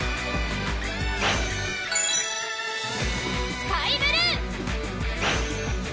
スカイブルー！